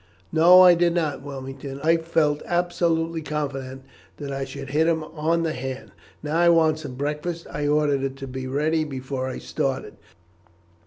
"No, I did not, Wilmington. I felt absolutely confident that I should hit him on the hand. Now, I want some breakfast; I ordered it to be ready before I started."